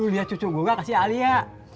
ron lo liat cucu gue gak kasih alia